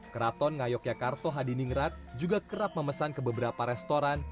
keraton ngayogyakarto hadiningrat juga kerap memesan ke beberapa restoran